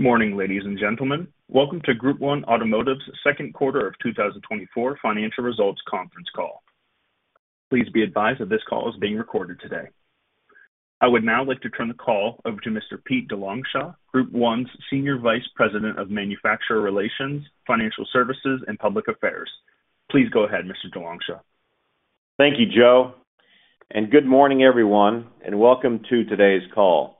Good morning, ladies and gentlemen. Welcome to Group 1 Automotive's second quarter of 2024 financial results conference call. Please be advised that this call is being recorded today. I would now like to turn the call over to Mr. Pete DeLongchamps, Group 1's Senior Vice President of Manufacturer Relations, Financial Services, and Public Affairs. Please go ahead, Mr. DeLongchamps. Thank you, Joe, and good morning, everyone, and welcome to today's call.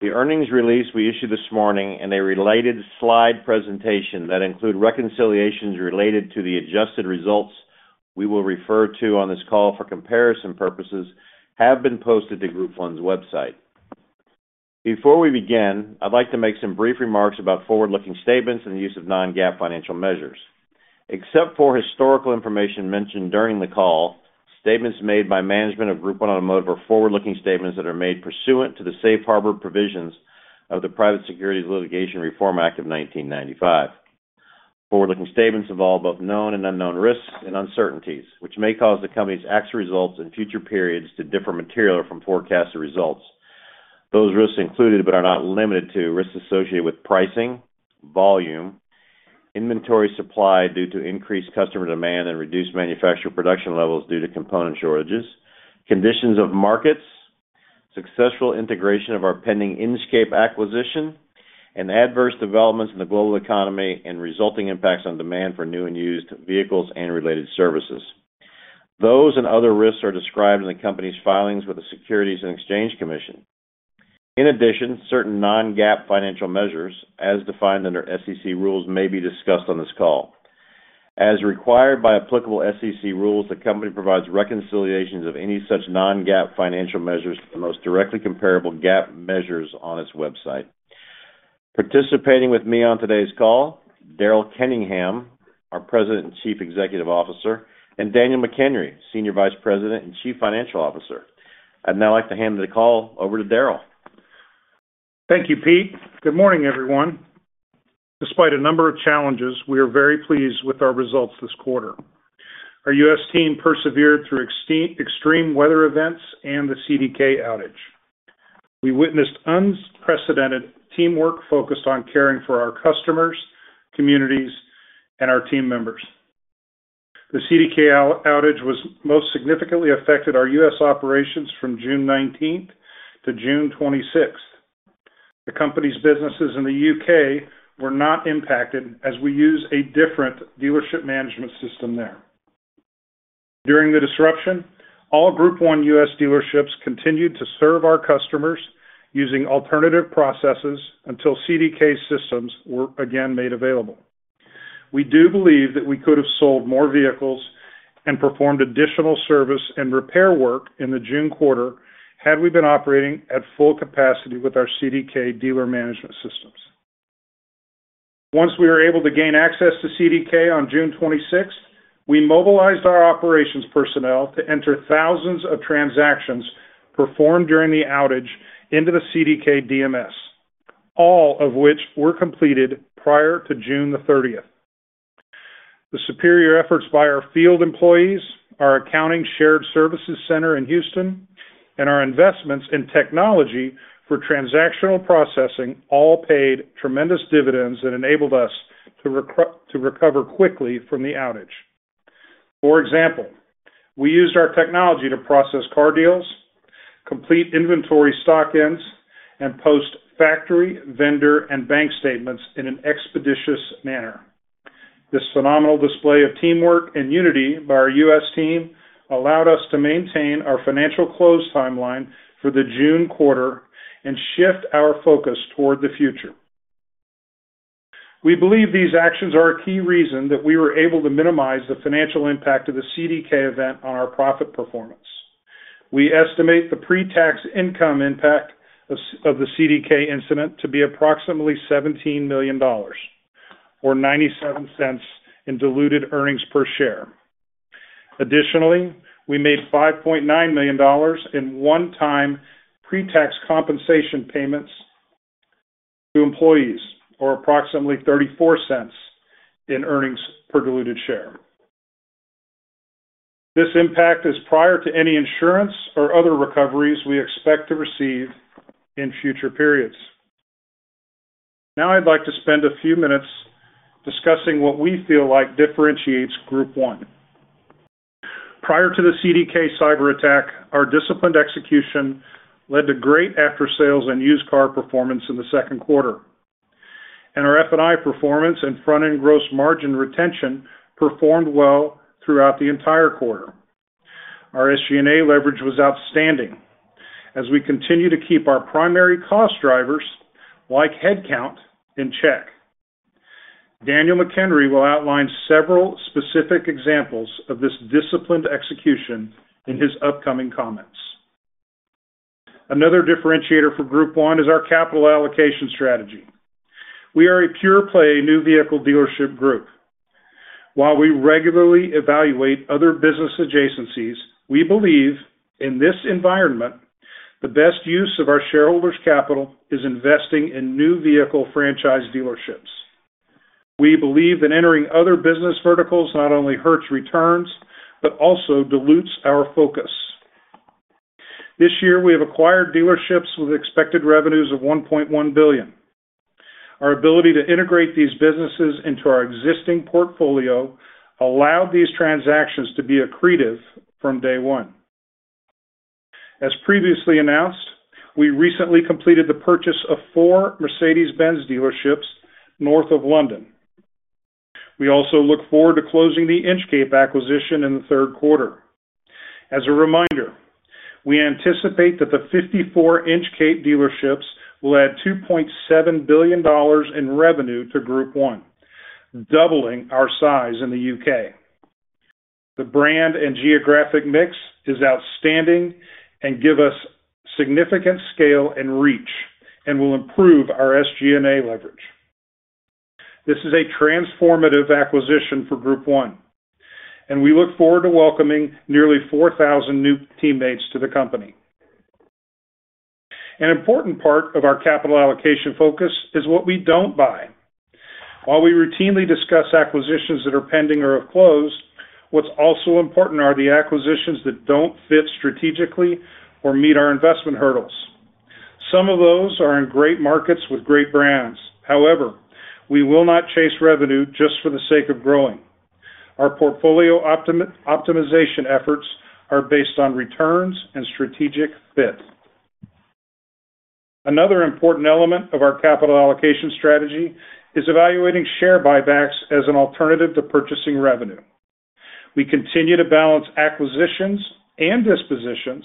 The earnings release we issued this morning and a related slide presentation that include reconciliations related to the adjusted results we will refer to on this call for comparison purposes have been posted to Group 1's website. Before we begin, I'd like to make some brief remarks about forward-looking statements and the use of non-GAAP financial measures. Except for historical information mentioned during the call, statements made by management of Group 1 Automotive are forward-looking statements that are made pursuant to the Safe Harbor Provisions of the Private Securities Litigation Reform Act of 1995. Forward-looking statements involve both known and unknown risks and uncertainties, which may cause the company's actual results in future periods to differ materially from forecasted results. Those risks include, but are not limited to, risks associated with pricing, volume, inventory supply due to increased customer demand and reduced manufacturer production levels due to component shortages, conditions of markets, successful integration of our pending Inchcape acquisition, and adverse developments in the global economy and resulting impacts on demand for new and used vehicles and related services. Those and other risks are described in the company's filings with the Securities and Exchange Commission. In addition, certain non-GAAP financial measures as defined under SEC rules, may be discussed on this call. As required by applicable SEC rules, the company provides reconciliations of any such non-GAAP financial measures to the most directly comparable GAAP measures on its website. Participating with me on today's call, Daryl Kenningham, our President and Chief Executive Officer, and Daniel McHenry, Senior Vice President and Chief Financial Officer. I'd now like to hand the call over to Daryl. Thank you, Pete. Good morning, everyone. Despite a number of challenges, we are very pleased with our results this quarter. Our U.S. team persevered through extreme weather events and the CDK outage. We witnessed unprecedented teamwork focused on caring for our customers, communities, and our team members. The CDK outage most significantly affected our U.S. operations from June 19th to June 26th. The company's businesses in the U.K. were not impacted as we use a different dealership management system there. During the disruption, all Group 1 U.S. dealerships continued to serve our customers using alternative processes until CDK systems were again made available. We do believe that we could have sold more vehicles and performed additional service and repair work in the June quarter had we been operating at full capacity with our CDK dealer management systems. Once we were able to gain access to CDK on June 26th, we mobilized our operations personnel to enter thousands of transactions performed during the outage into the CDK DMS, all of which were completed prior to June 30th. The superior efforts by our field employees, our accounting shared services center in Houston, and our investments in technology for transactional processing all paid tremendous dividends and enabled us to to recover quickly from the outage. For example, we used our technology to process car deals, complete inventory stock-ins, and post factory, vendor, and bank statements in an expeditious manner. This phenomenal display of teamwork and unity by our US team allowed us to maintain our financial close timeline for the June quarter and shift our focus toward the future. We believe these actions are a key reason that we were able to minimize the financial impact of the CDK event on our profit performance. We estimate the pre-tax income impact of the CDK incident to be approximately $17 million or $0.97 in diluted earnings per share. Additionally, we made $5.9 million in one-time pre-tax compensation payments to employees, or approximately $0.34 in earnings per diluted share. This impact is prior to any insurance or other recoveries we expect to receive in future periods. Now, I'd like to spend a few minutes discussing what we feel like differentiates Group 1. Prior to the CDK cyberattack, our disciplined execution led to great after-sales and used car performance in the second quarter. Our F&I performance and front-end gross margin retention performed well throughout the entire quarter. Our SG&A leverage was outstanding as we continue to keep our primary cost drivers, like headcount, in check. Daniel McHenry will outline several specific examples of this disciplined execution in his upcoming comments. Another differentiator for Group 1 is our capital allocation strategy. We are a pure-play new vehicle dealership group. While we regularly evaluate other business adjacencies, we believe in this environment, the best use of our shareholders' capital is investing in new vehicle franchise dealerships. We believe that entering other business verticals not only hurts returns, but also dilutes our focus. This year, we have acquired dealerships with expected revenues of $1.1 billion. Our ability to integrate these businesses into our existing portfolio allowed these transactions to be accretive from day one. As previously announced, we recently completed the purchase of 4 Mercedes-Benz dealerships north of London. We also look forward to closing the Inchcape acquisition in the third quarter. As a reminder, we anticipate that the 54 Inchcape dealerships will add $2.7 billion in revenue to Group 1, doubling our size in the UK. The brand and geographic mix is outstanding and give us significant scale and reach, and will improve our SG&A leverage. This is a transformative acquisition for Group 1, and we look forward to welcoming nearly 4,000 new teammates to the company. An important part of our capital allocation focus is what we don't buy. While we routinely discuss acquisitions that are pending or have closed, what's also important are the acquisitions that don't fit strategically or meet our investment hurdles. Some of those are in great markets with great brands. However, we will not chase revenue just for the sake of growing. Our portfolio optimization efforts are based on returns and strategic fit. Another important element of our capital allocation strategy is evaluating share buybacks as an alternative to purchasing revenue. We continue to balance acquisitions and dispositions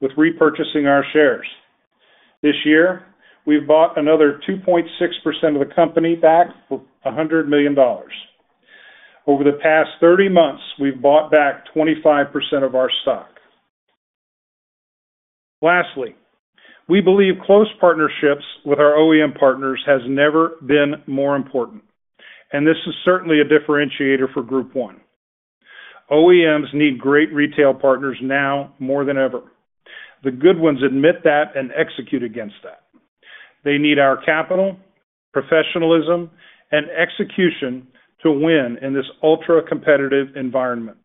with repurchasing our shares. This year, we've bought another 2.6% of the company back for $100 million. Over the past 30 months, we've bought back 25% of our stock. Lastly, we believe close partnerships with our OEM partners has never been more important, and this is certainly a differentiator for Group 1. OEMs need great retail partners now more than ever. The good ones admit that and execute against that. They need our capital, professionalism, and execution to win in this ultra-competitive environment.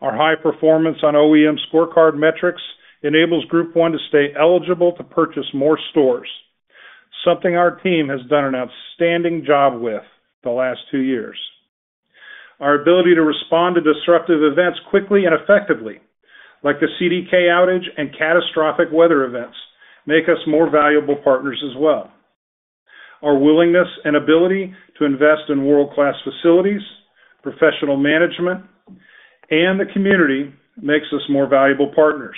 Our high performance on OEM scorecard metrics enables Group 1 to stay eligible to purchase more stores, something our team has done an outstanding job with the last two years. Our ability to respond to disruptive events quickly and effectively, like the CDK outage and catastrophic weather events, make us more valuable partners as well. Our willingness and ability to invest in world-class facilities, professional management, and the community makes us more valuable partners.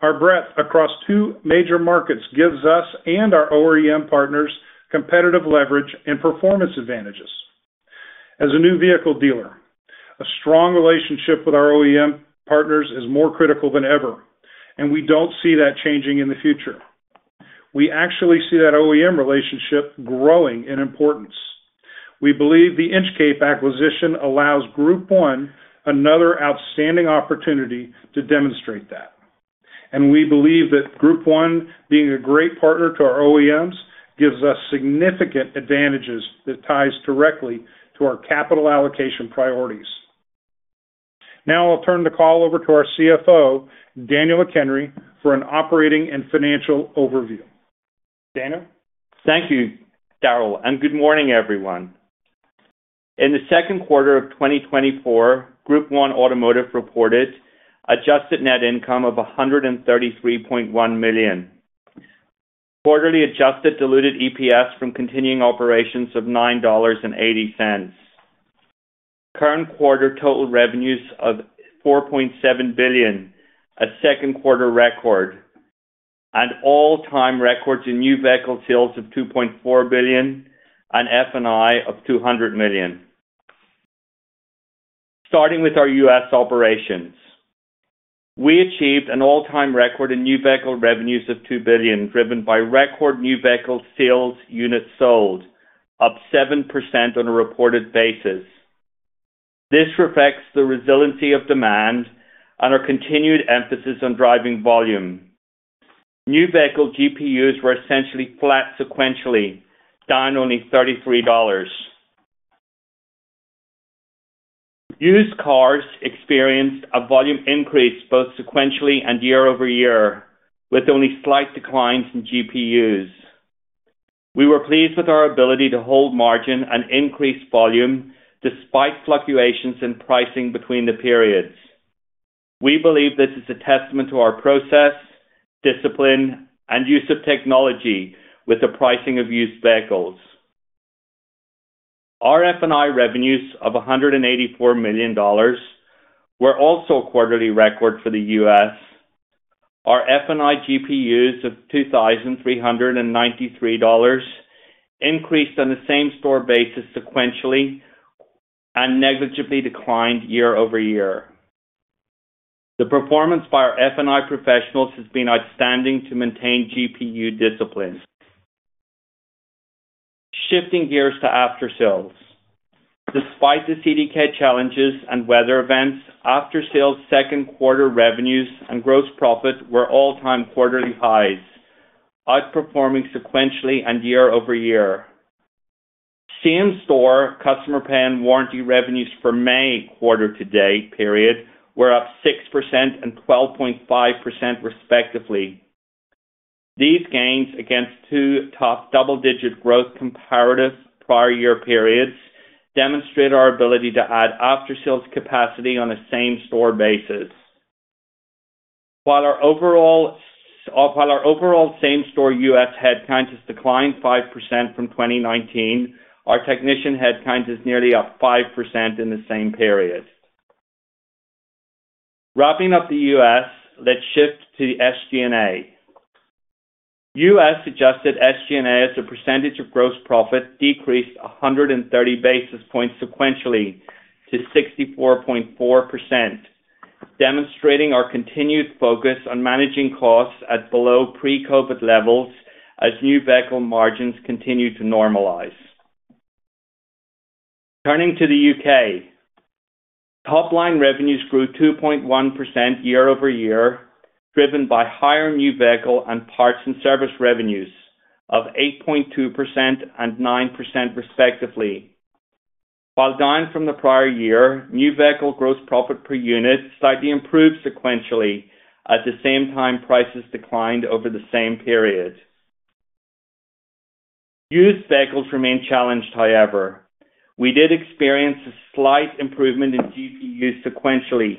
Our breadth across two major markets gives us and our OEM partners competitive leverage and performance advantages. As a new vehicle dealer, a strong relationship with our OEM partners is more critical than ever, and we don't see that changing in the future. We actually see that OEM relationship growing in importance. We believe the Inchcape acquisition allows Group 1 another outstanding opportunity to demonstrate that, and we believe that Group 1, being a great partner to our OEMs, gives us significant advantages that ties directly to our capital allocation priorities. Now I'll turn the call over to our CFO, Daniel McHenry, for an operating and financial overview. Daniel? Thank you, Daryl, and good morning, everyone. In the second quarter of 2024, Group 1 Automotive reported adjusted net income of $133.1 million. Quarterly adjusted diluted EPS from continuing operations of $9.80. Current quarter total revenues of $4.7 billion, a second quarter record, and all-time records in new vehicle sales of $2.4 billion and F&I of $200 million. Starting with our U.S. operations, we achieved an all-time record in new vehicle revenues of $2 billion, driven by record new vehicle sales units sold, up 7% on a reported basis. This reflects the resiliency of demand and our continued emphasis on driving volume. New vehicle GPUs were essentially flat sequentially, down only $33. Used cars experienced a volume increase both sequentially and year-over-year, with only slight declines in GPUs. We were pleased with our ability to hold margin and increase volume, despite fluctuations in pricing between the periods. We believe this is a testament to our process, discipline, and use of technology with the pricing of used vehicles. Our F&I revenues of $184 million were also a quarterly record for the U.S. Our F&I GPUs of $2,393 increased on the same-store basis sequentially and negligibly declined year-over-year. The performance by our F&I professionals has been outstanding to maintain GPU discipline. Shifting gears to aftersales. Despite the CDK challenges and weather events, aftersales second quarter revenues and gross profit were all-time quarterly highs, outperforming sequentially and year-over-year. Same-store customer pay and warranty revenues for May quarter-to-date period were up 6% and 12.5% respectively. These gains against two top double-digit growth comparative prior year periods demonstrate our ability to add after-sales capacity on a same-store basis. While our overall same-store U.S. head count has declined 5% from 2019, our technician head count is nearly up 5% in the same period. Wrapping up the U.S., let's shift to the SG&A. U.S. adjusted SG&A as a percentage of gross profit decreased 130 basis points sequentially to 64.4%, demonstrating our continued focus on managing costs at below pre-COVID levels as new vehicle margins continue to normalize. Turning to the U.K., top-line revenues grew 2.1% year-over-year, driven by higher new vehicle and parts and service revenues of 8.2% and 9% respectively. While down from the prior year, new vehicle gross profit per unit slightly improved sequentially, at the same time, prices declined over the same period. Used vehicles remain challenged, however. We did experience a slight improvement in GPU sequentially.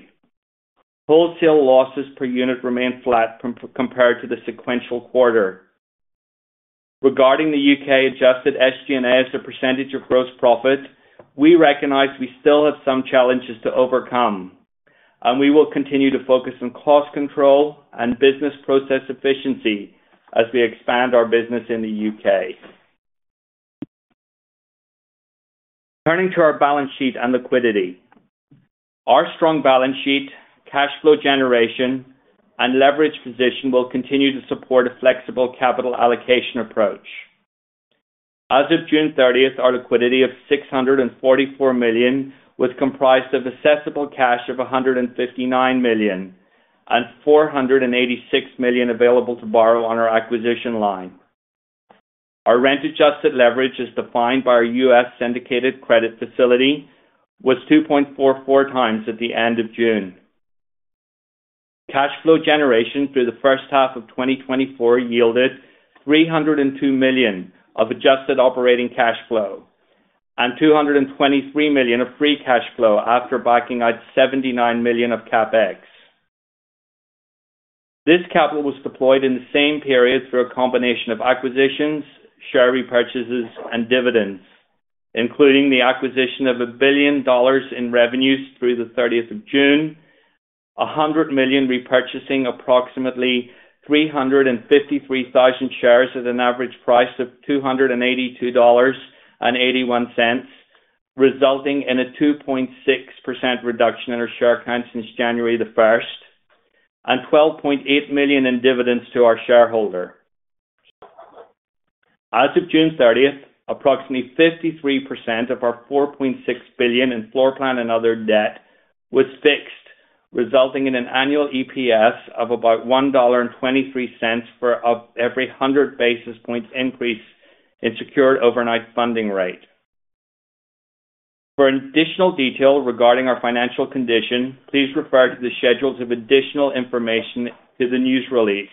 Wholesale losses per unit remained flat compared to the sequential quarter. Regarding the U.K. adjusted SG&A as a percentage of gross profit, we recognize we still have some challenges to overcome, and we will continue to focus on cost control and business process efficiency as we expand our business in the UK. Turning to our balance sheet and liquidity. Our strong balance sheet, cash flow generation, and leverage position will continue to support a flexible capital allocation approach. As of June 30, our liquidity of $644 million was comprised of accessible cash of $159 million, and $486 million available to borrow on our acquisition line. Our rent-adjusted leverage, as defined by our U.S. syndicated credit facility, was 2.44x at the end of June. Cash flow generation through the first half of 2024 yielded $302 million of adjusted operating cash flow and $223 million of free cash flow after backing out $79 million of CapEx. This capital was deployed in the same period through a combination of acquisitions, share repurchases, and dividends, including the acquisition of $1 billion in revenues through June 30, $100 million repurchasing approximately 353,000 shares at an average price of $282.81, resulting in a 2.6% reduction in our share count since January 1, and $12.8 million in dividends to our shareholder. As of June 30, approximately 53% of our $4.6 billion in floor plan and other debt was fixed, resulting in an annual EPS of about $1.23 for every 100 basis points increase in secured overnight funding rate. For additional detail regarding our financial condition, please refer to the schedules of additional information to the news release,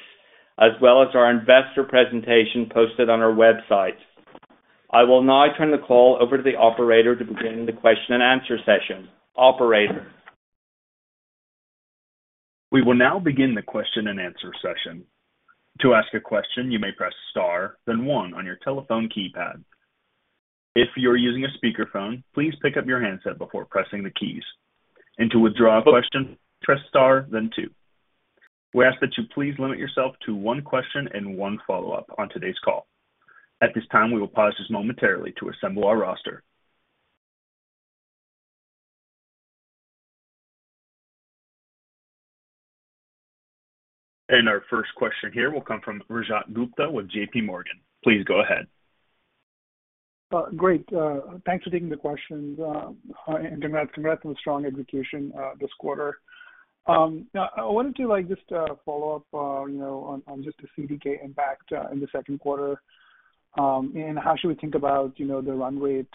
as well as our investor presentation posted on our website. I will now turn the call over to the operator to begin the question and answer session. Operator? We will now begin the question and answer session. To ask a question, you may press star, then one on your telephone keypad. If you are using a speakerphone, please pick up your handset before pressing the keys. To withdraw a question, press star, then two. We ask that you please limit yourself to one question and one follow-up on today's call. At this time, we will pause just momentarily to assemble our roster. Our first question here will come from Rajat Gupta with JPMorgan. Please go ahead. Great. Thanks for taking the questions. And congrats, congrats on the strong execution this quarter. Now, I wanted to, like, just follow up, you know, on just the CDK impact in the second quarter. And how should we think about, you know, the run rate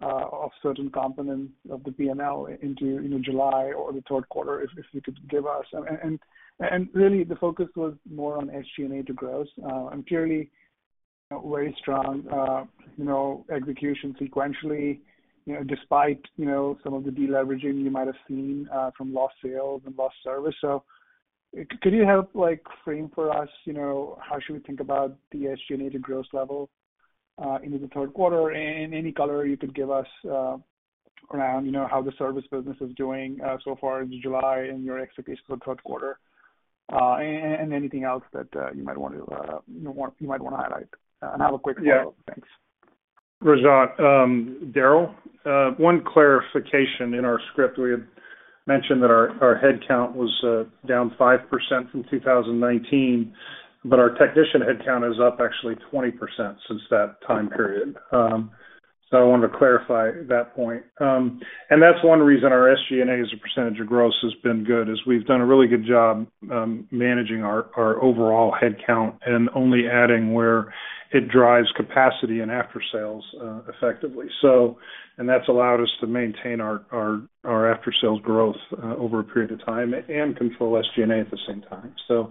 of certain components of the P&L into, you know, July or the third quarter, if you could give us. And really, the focus was more on SG&A to gross, and clearly very strong, you know, execution sequentially, you know, despite, you know, some of the deleveraging you might have seen from lost sales and lost service. So could you help, like, frame for us, you know, how should we think about the SG&A to gross level into the third quarter? And any color you could give us around, you know, how the service business is doing so far into July and your expectations for the third quarter. And anything else that you might want to highlight? And I'll have a quick follow-up. Thanks. Rajat, Daryl. One clarification in our script. We had mentioned that our headcount was down 5% from 2019 but our technician headcount is up actually 20% since that time period. So I wanted to clarify that point. And that's one reason our SG&A, as a percentage of gross, has been good, is we've done a really good job managing our overall headcount and only adding where it drives capacity and after sales effectively. And that's allowed us to maintain our after-sales growth over a period of time and control SG&A at the same time. So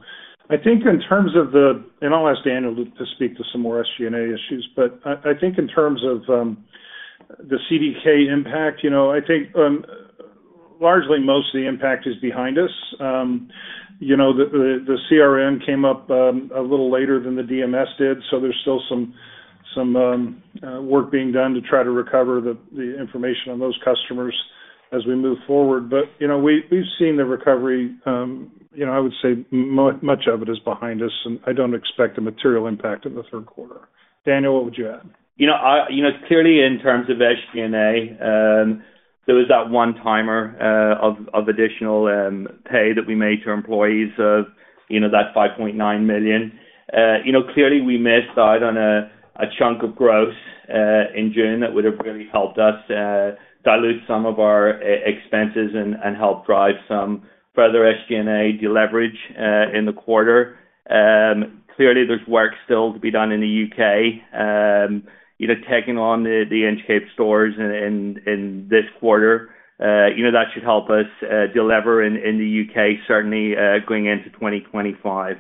I think in terms of the, and I'll ask Daniel to speak to some more SG&A issues, but I think in terms of the CDK impact, you know, I think largely most of the impact is behind us. You know, the CRM came up a little later than the DMS did, so there's still some work being done to try to recover the information on those customers as we move forward. But, you know, we've seen the recovery. You know, I would say much of it is behind us, and I don't expect a material impact in the third quarter. Daniel, what would you add? You know, you know, clearly, in terms of SG&A, there was that one-timer of additional pay that we made to employees of, you know, that $5.9 million. You know, clearly, we missed out on a chunk of gross in June that would have really helped us dilute some of our expenses and help drive some further SG&A deleverage in the quarter. Clearly, there's work still to be done in the U.K. You know, taking on the Inchcape stores in this quarter, you know, that should help us delever in the U.K., certainly, going into 2025.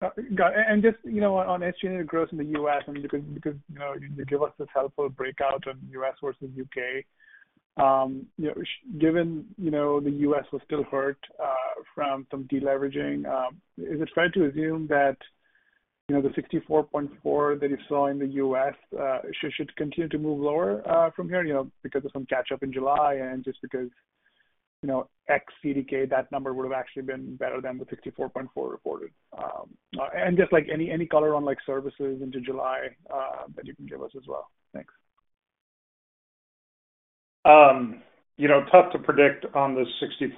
Got it. And just, you know, on, on SG&A growth in the U.S., I mean, because, because, you know, you give us this helpful breakout on U.S. versus U.K. You know, given, you know, the U.S. was still hurt, from some deleveraging, is it fair to assume that, you know, the 64.4 that you saw in the U.S., should, should continue to move lower, from here, you know, because of some catch up in July, and just because, you know, ex-CDK, that number would have actually been better than the 64.4 reported? And just like any, any color on, like, services into July, that you can give us as well. Thanks. You know, tough to predict on the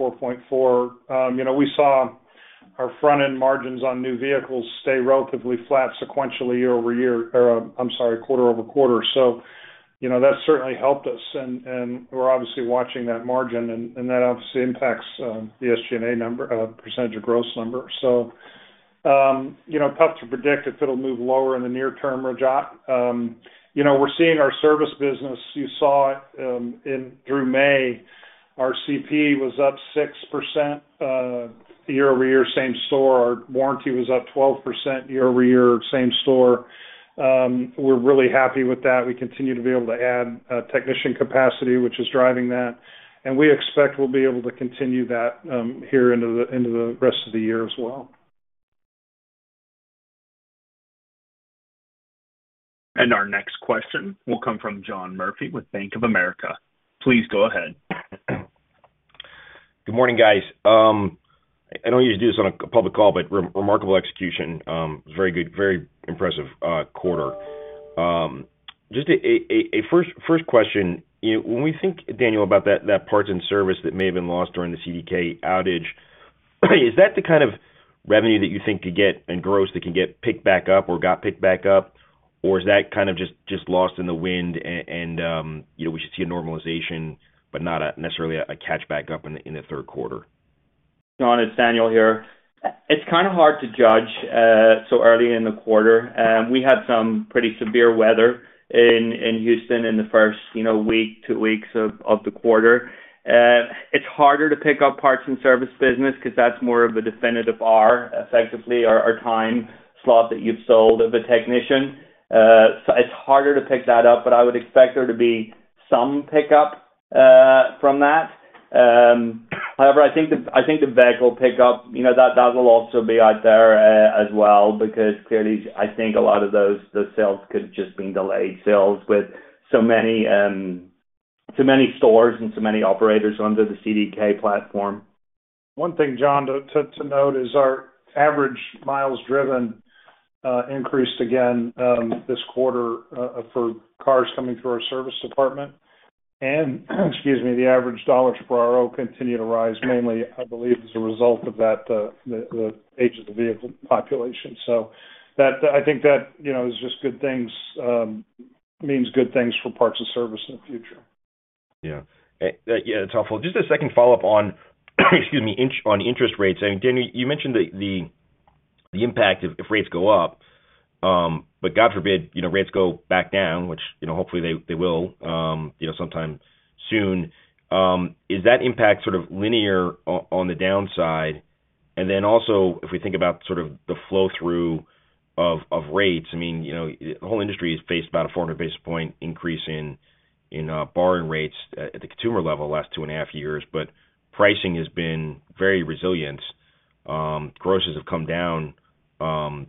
64.4. You know, we saw our front-end margins on new vehicles stay relatively flat sequentially year-over-year, or I'm sorry, quarter-over-quarter. So, you know, that certainly helped us, and, and we're obviously watching that margin, and, and that obviously impacts, the SG&A number, percentage of gross number. So, you know, tough to predict if it'll move lower in the near term or not. You know, we're seeing our service business, you saw it, in through May, our CP was up 6%, year-over-year, same store. Our warranty was up 12% year-over-year, same store. We're really happy with that. We continue to be able to add technician capacity, which is driving that, and we expect we'll be able to continue that here into the rest of the year as well. Our next question will come from John Murphy with Bank of America. Please go ahead. Good morning, guys. I don't usually do this on a public call, but remarkable execution. Very good, very impressive quarter. Just a first question, you know, when we think, Daniel, about that parts and service that may have been lost during the CDK outage, is that the kind of revenue that you think could get and gross that can get picked back up or got picked back up? Or is that kind of just lost in the wind and, you know, we should see a normalization, but not necessarily a catch back up in the third quarter? John, it's Daniel here. It's kind of hard to judge so early in the quarter. We had some pretty severe weather in Houston in the first, you know, week, two weeks of the quarter. It's harder to pick up parts and service business because that's more of a definitive RO, effectively, our time slot that you've sold of a technician. So it's harder to pick that up, but I would expect there to be some pickup from that. However, I think the backlog will pick up. You know, that will also be out there as well, because clearly, I think a lot of those sales could have just been delayed sales with so many stores and so many operators under the CDK platform. One thing, John, to note is our average miles driven increased again this quarter for cars coming through our service department. And, excuse me, the average dollars per RO continue to rise, mainly, I believe, as a result of that, the age of the vehicle population. So that. I think that, you know, is just good things, means good things for parts and service in the future. Yeah. Yeah, it's helpful. Just a second follow-up on, excuse me, on interest rates. And Daniel, you mentioned the impact if rates go up, but God forbid, you know, rates go back down, which, you know, hopefully they will, you know, sometime soon. Is that impact sort of linear on the downside? And then also, if we think about sort of the flow-through of rates, I mean, you know, the whole industry is based about a 400 basis point increase in borrowing rates at the consumer level last two and a half years, but pricing has been very resilient. Grosses have come down,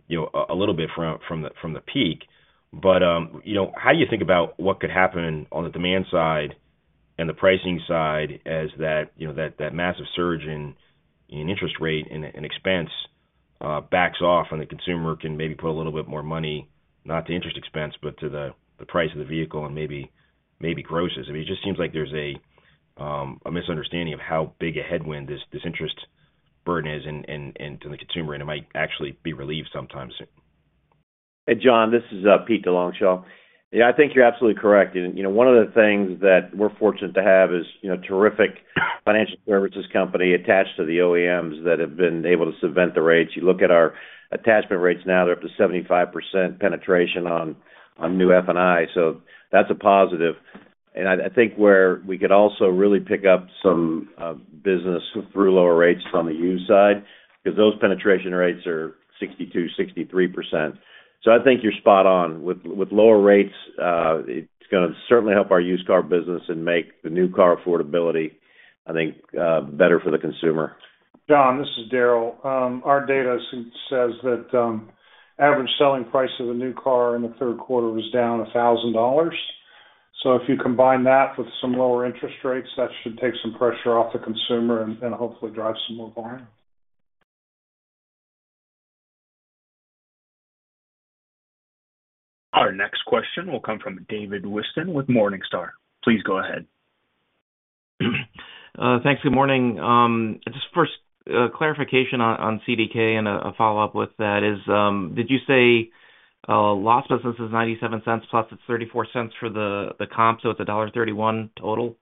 you know, a little bit from the peak. But you know, how do you think about what could happen on the demand side and the pricing side as that massive surge in interest rate and expense backs off and the consumer can maybe put a little bit more money, not to interest expense, but to the price of the vehicle and maybe grosses? I mean, it just seems like there's a misunderstanding of how big a headwind this interest burden is into the consumer, and it might actually be relieved sometimes. Hey, John, this is Pete DeLongchamps. Yeah, I think you're absolutely correct. And, you know, one of the things that we're fortunate to have is, you know, terrific financial services company attached to the OEMs that have been able to cement the rates. You look at our attachment rates now, they're up to 75% penetration on new F&I. So that's a positive. And I think where we could also really pick up some business through lower rates is on the used side, because those penetration rates are 62%-63%. So I think you're spot on. With lower rates, it's gonna certainly help our used car business and make the new car affordability, I think, better for the consumer. John, this is Daryl. Our data says that average selling price of a new car in the third quarter was down $1,000. So if you combine that with some lower interest rates, that should take some pressure off the consumer and hopefully drive some more volume. Our next question will come from David Whiston with Morningstar. Please go ahead. Thanks. Good morning. Just first, clarification on CDK and a follow-up with that is, did you say lost business is $0.97 plus it's $0.34 for the comp, so it's $1.31 total?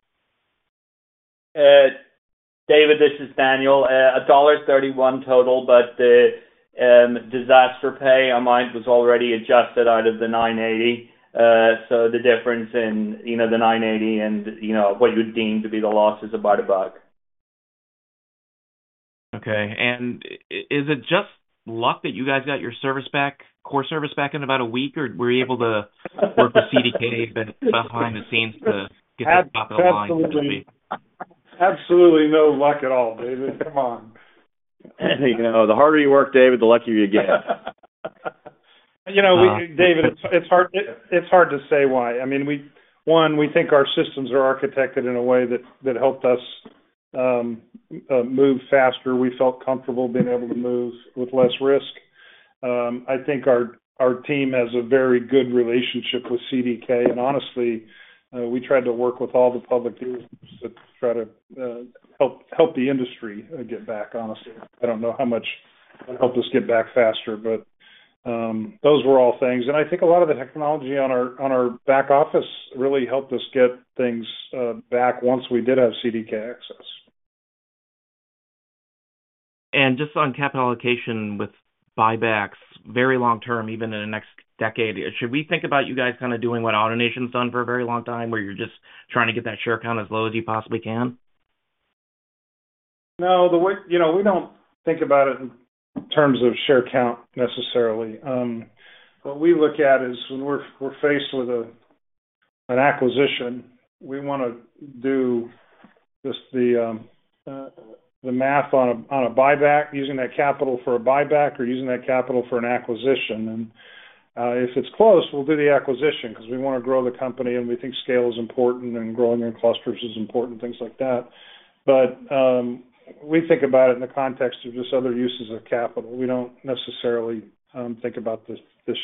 David, this is Daniel. $1.31 total, but the disaster payout was already adjusted out of the $9.80. So the difference in, you know, the $9.80 and, you know, what you deem to be the loss is about $1. Okay. And is it just luck that you guys got your service back, core service back in about a week, or were you able to work with CDK behind the scenes to get that back online? Absolutely. Absolutely no luck at all, David. Come on. You know, the harder you work, David, the luckier you get. You know, David, it's hard to say why. I mean, we, one, we think our systems are architected in a way that helped us move faster. We felt comfortable being able to move with less risk. I think our team has a very good relationship with CDK, and honestly, we tried to work with all the public dealers to try to help the industry get back, honestly. I don't know how much it helped us get back faster, but those were all things. And I think a lot of the technology on our back office really helped us get things back once we did have CDK access. Just on capital allocation with buybacks, very long term, even in the next decade, should we think about you guys kind of doing what AutoNation's done for a very long time, where you're just trying to get that share count as low as you possibly can? No, the way, you know, we don't think about it in terms of share count necessarily. What we look at is when we're faced with an acquisition, we want to do just the math on a buyback, using that capital for a buyback or using that capital for an acquisition. And if it's close, we'll do the acquisition because we want to grow the company, and we think scale is important, and growing in clusters is important, things like that. But we think about it in the context of just other uses of capital. We don't necessarily think about the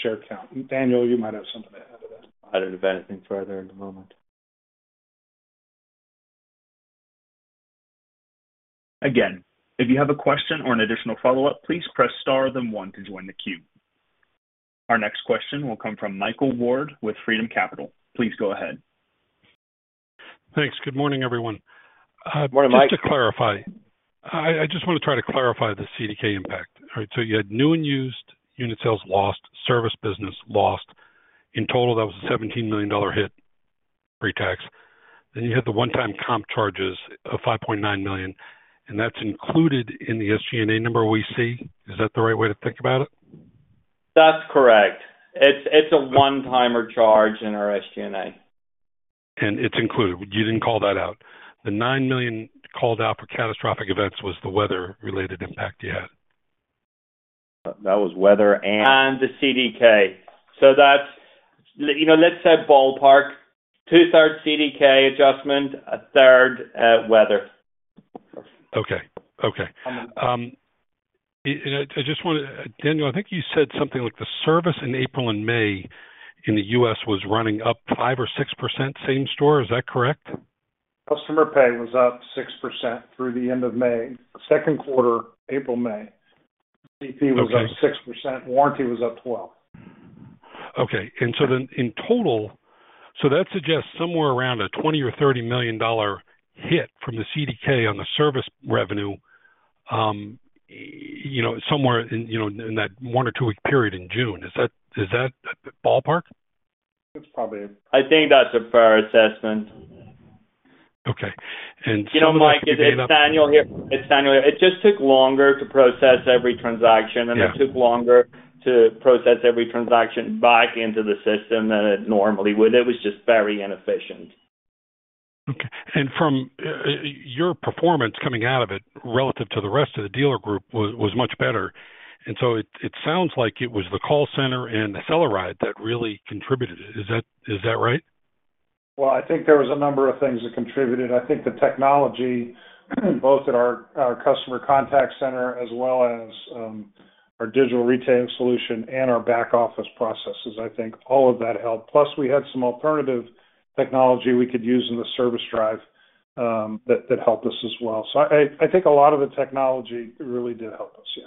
share count. Daniel, you might have something to add to that. I don't have anything further at the moment. Again, if you have a question or an additional follow-up, please press star, then one to join the queue. Our next question will come from Michael Ward with Freedom Capital. Please go ahead. Thanks. Good morning, everyone. Good morning, Mike. Just to clarify, I just want to try to clarify the CDK impact. All right, so you had new and used unit sales lost, service business lost. In total, that was a $17 million hit, pre-tax. Then you had the one-time comp charges of $5.9 million, and that's included in the SG&A number we see. Is that the right way to think about it? That's correct. It's a one-timer charge in our SG&A. It's included. You didn't call that out. The $9 million called out for catastrophic events was the weather-related impact you had. That was weather. The CDK. So that's, you know, let's say ballpark, 2/3 CDK adjustment, 1/3 weather. Okay. Okay. And I just wanted to, Daniel, I think you said something like the service in April and May in the U.S. was running up 5% or 6% same store. Is that correct? Customer pay was up 6% through the end of May. Second quarter, April, May. CP was up 6%. Warranty was up 12%. Okay. And so then in total, so that suggests somewhere around a $20 million-$30 million hit from the CDK on the service revenue, you know, somewhere in, you know, in that one- or two-week period in June. Is that, is that ballpark? It's probably. I think that's a fair assessment. Okay. You know, Mike, it's Daniel here. It's Daniel. It just took longer to process every transaction- Yeah. It took longer to process every transaction back into the system than it normally would. It was just very inefficient. Okay. And from your performance coming out of it, relative to the rest of the dealer group, was much better. And so it sounds like it was the call center and the AcceleRide that really contributed. Is that right? Well, I think there was a number of things that contributed. I think the technology, both at our customer contact center as well as our digital retailing solution, and our back office processes. I think all of that helped. Plus, we had some alternative technology we could use in the service drive, that helped us as well. So I think a lot of the technology really did help us. Yes.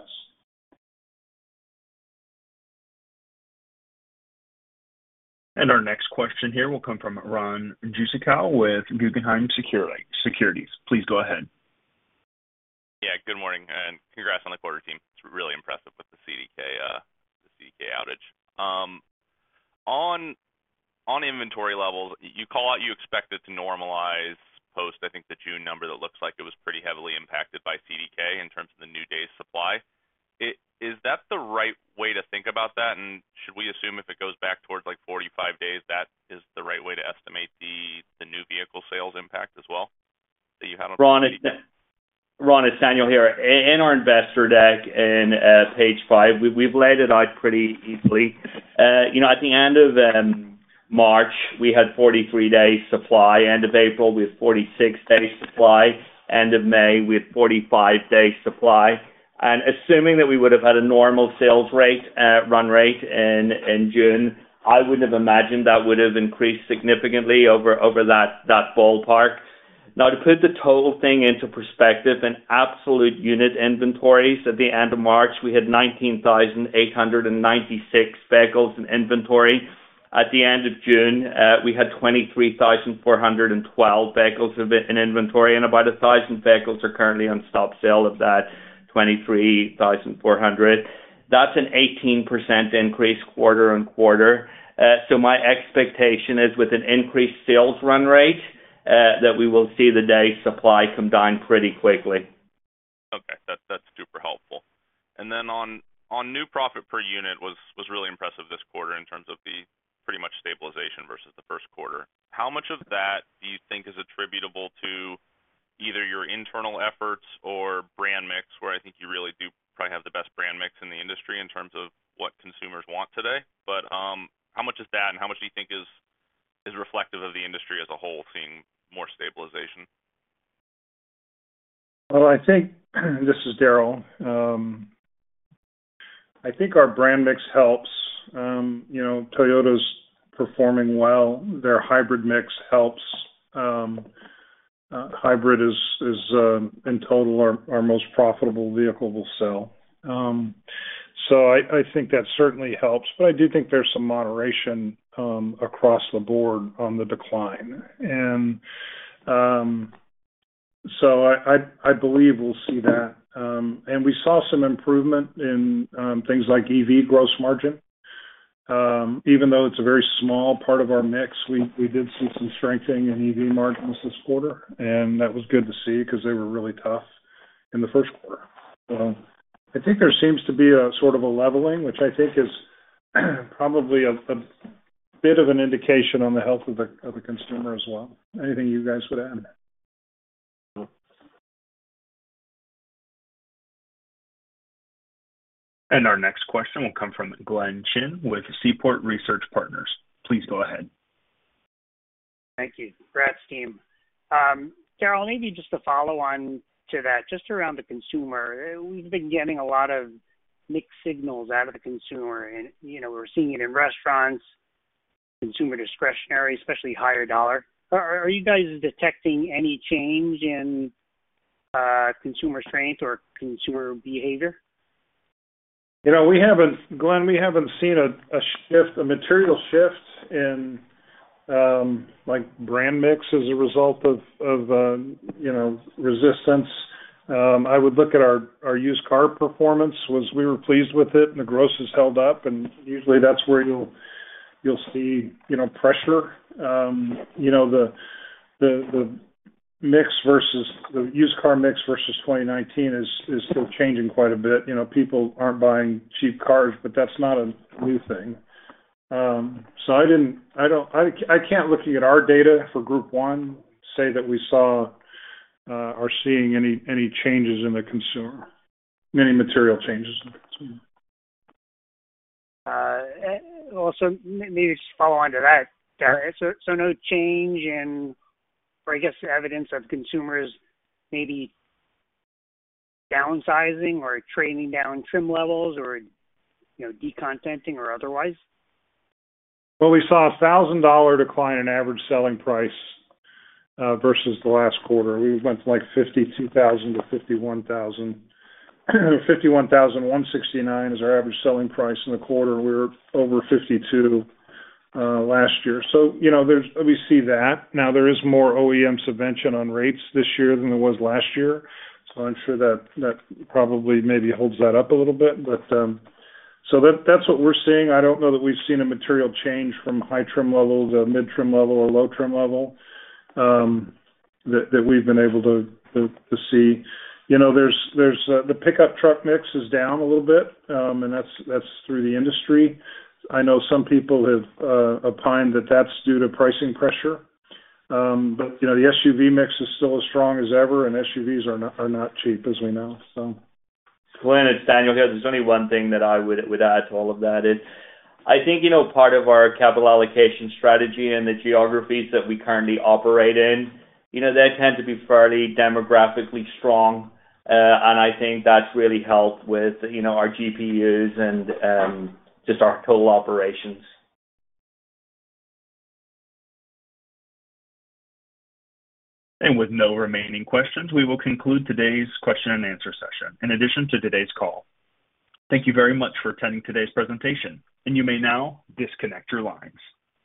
Our next question here will come from Ron Jewsikow with Guggenheim Securities. Please go ahead. Yeah, good morning, and congrats on the quarter, team. It's really impressive with the CDK, the CDK outage. On inventory levels, you call out, you expect it to normalize post, I think, the June number that looks like it was pretty heavily impacted by CDK in terms of the new day's supply. Is that the right way to think about that? And should we assume if it goes back towards, like, 45 days, that is the right way to estimate the new vehicle sales impact as well, that you have on CDK? Ron, it's Daniel here. In our investor deck in page five, we've laid it out pretty easily. You know, at the end of March, we had 43 days supply. End of April, we had 46 days supply. End of May, we had 45 days supply. And assuming that we would have had a normal sales rate run rate in June, I would have imagined that would have increased significantly over that ballpark. Now, to put the total thing into perspective, in absolute unit inventories, at the end of March, we had 19,896 vehicles in inventory. At the end of June, we had 23,412 vehicles in inventory, and about 1,000 vehicles are currently on stop sale of that 23,400. That's an 18% increase quarter-on-quarter. So my expectation is with an increased sales run rate, that we will see the day supply come down pretty quickly. Okay. That's super helpful. And then on new profit per unit was really impressive this quarter in terms of the pretty much stabilization versus the first quarter. How much of that do you think is attributable to either your internal efforts or brand mix, where I think you really do probably have the best brand mix in the industry in terms of what consumers want today. But how much is that, and how much do you think is reflective of the industry as a whole, seeing more stabilization? Well, I think this is Daryl. I think our brand mix helps. You know, Toyota's performing well. Their hybrid mix helps. Hybrid is in total our most profitable vehicle we'll sell. So I think that certainly helps, but I do think there's some moderation across the board on the decline. And so I believe we'll see that. And we saw some improvement in things like EV gross margin. Even though it's a very small part of our mix, we did see some strengthening in EV margins this quarter, and that was good to see because they were really tough in the first quarter. I think there seems to be a sort of a leveling, which I think is, probably a, a bit of an indication on the health of the, of the consumer as well. Anything you guys would add? Our next question will come from Glenn Chin with Seaport Research Partners. Please go ahead. Thank you. Congrats, team. Daryl, maybe just to follow on to that, just around the consumer, we've been getting a lot of mixed signals out of the consumer and, you know, we're seeing it in restaurants, consumer discretionary, especially higher dollar. Are you guys detecting any change in consumer strength or consumer behavior? You know, we haven't, Glenn, we haven't seen a shift, a material shift in, like, brand mix as a result of, you know, resistance. I would look at our used car performance. We were pleased with it, and the grosses held up, and usually that's where you'll see, you know, pressure. You know, the mix versus the used car mix versus 2019 is still changing quite a bit. You know, people aren't buying cheap cars, but that's not a new thing. So I don't. I can't, looking at our data for Group 1, say that we saw or seeing any changes in the consumer, any material changes in the consumer. Also, maybe just follow on to that, Daryl. So, no change in, or I guess, evidence of consumers maybe downsizing or trading down trim levels or, you know, decontenting or otherwise? Well, we saw a $1,000 decline in average selling price versus the last quarter. We went from, like, 52,000 to 51,000. 51,169 is our average selling price in the quarter. We were over 52,000 last year. So, you know, we see that. Now, there is more OEM subvention on rates this year than there was last year, so I'm sure that probably maybe holds that up a little bit. But, so that's what we're seeing. I don't know that we've seen a material change from high trim level to mid trim level or low trim level that we've been able to see. You know, the pickup truck mix is down a little bit, and that's through the industry. I know some people have opined that that's due to pricing pressure. But, you know, the SUV mix is still as strong as ever, and SUVs are not, are not cheap, as we know, so. Glenn, it's Daniel here. There's only one thing that I would add to all of that, and I think, you know, part of our capital allocation strategy and the geographies that we currently operate in, you know, they tend to be fairly demographically strong, and I think that's really helped with, you know, our GPUs and just our total operations. With no remaining questions, we will conclude today's question and answer session in addition to today's call. Thank you very much for attending today's presentation, and you may now disconnect your lines.